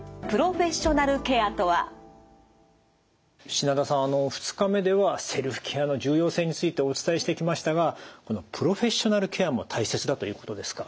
品田さんあの２日目ではセルフケアの重要性についてお伝えしてきましたがこのプロフェッショナルケアも大切だということですか。